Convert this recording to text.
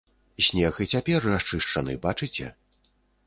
Снег і цяпер расчышчаны, бачыце?